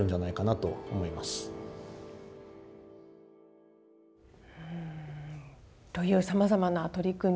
というさまざまな取り組み